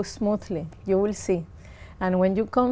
chủ tịch uyên phú sơn